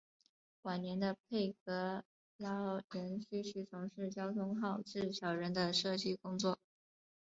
晚年的佩格劳仍继续从事交通号志小人的设计工作。